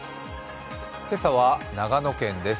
今朝は長野県です。